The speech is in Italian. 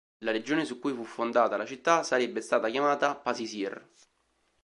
La regione su cui fu fondata la città sarebbe stata chiamata "Pasisir".